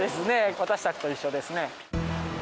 私たちと一緒ですね。